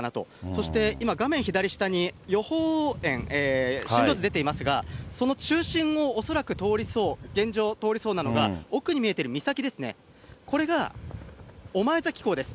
そして今、画面左下に予報円、進路図出ていますが、その中心を恐らく通りそう、現状、通りそうなのが、奥に見えてる岬ですね、これが御前崎港です。